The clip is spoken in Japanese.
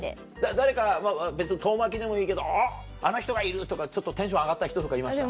誰か別に遠巻きでもいいけどあっあの人がいる！とかちょっとテンション上がった人とかいました？